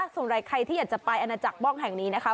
ใครที่อยากจะไปอาณาจักรบ้องแห่งนี้นะคะ